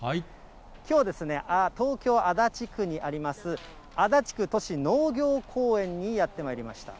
きょうはですね、東京・足立区にあります、足立区都市農業公園にやってまいりました。